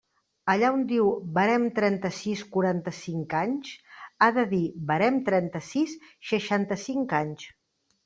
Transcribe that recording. Allà on diu «Barem trenta-sis quaranta-cinc anys» ha de dir «Barem trenta-sis seixanta-cinc anys».